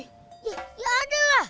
iya ada lah